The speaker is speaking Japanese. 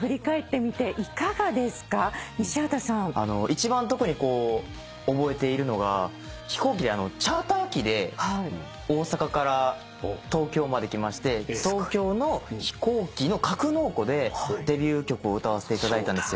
一番特に覚えているのが飛行機でチャーター機で大阪から東京まで来まして東京の飛行機の格納庫でデビュー曲を歌わせていただいたんですよ。